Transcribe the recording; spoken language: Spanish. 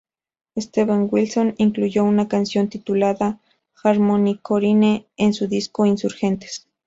Steven Wilson incluyó una canción titulada Harmony Korine en su disco Insurgentes.